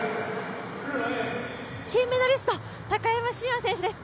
金メダリスト高山峻野選手です。